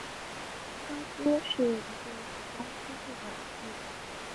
高斯是一对普通夫妇的儿子。